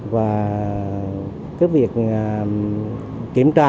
và việc kiểm tra